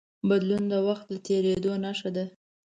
بدلون د وخت د تېرېدو نښه ده.